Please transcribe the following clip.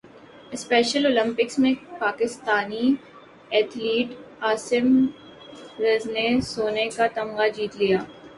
special Olympics میں Pakistani athlete Asim زر نے سونے کا تمغہ جیت لیا